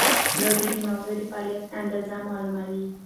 لوبې د مغز د فعالیت اندازه معلوموي.